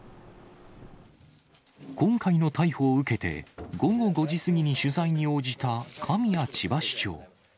今回の逮捕を受けて、午後５時過ぎに取材に応じた神谷千葉市長。